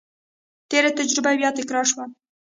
تېره تجربه بیا تکرار شوه.